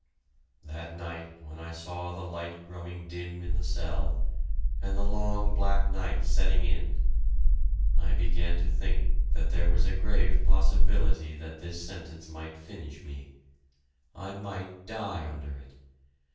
That night when I saw the light growing dim in the cell, and the long black night setting in, I began to think that there was a grave possibility that this sentence might finish me. I might die under it!